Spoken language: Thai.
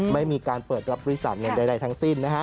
ไม่มีการเปิดรับบริจาคอย่างใดทั้งสิ้น